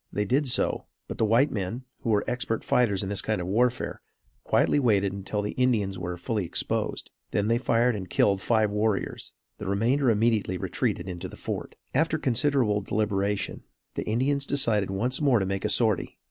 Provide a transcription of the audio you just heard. They did so; but the white men, who were expert fighters in this kind of warfare, quietly waited until the Indians were fully exposed. They then fired and killed five warriors. The remainder immediately retreated into the fort. After considerable deliberation, the Indians decided once more to make a sortie.